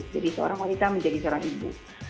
jadi seorang wanita menjadi seorang ibu